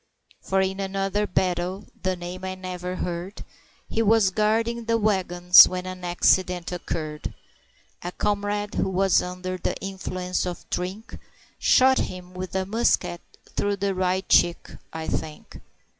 For in another battle the name I never heard He was guarding the wagons when an accident occurred, A comrade, who was under the influence of drink, Shot him with a musket through the right cheek, I think.